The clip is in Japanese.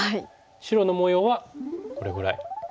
白の模様はこれぐらい。